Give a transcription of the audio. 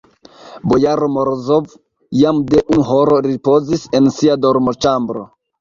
Bojaro Morozov jam de unu horo ripozis en sia dormoĉambro.